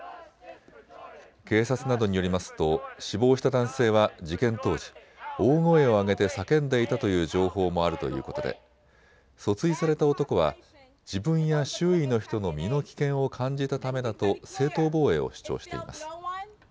警察などによりますと死亡した男性は事件当時、大声を上げて叫んでいたという情報もあるということで訴追された男は自分や周囲の人の身の危険を感じたためだと正当防衛を主張しています。